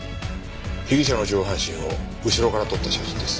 被疑者の上半身を後ろから撮った写真です。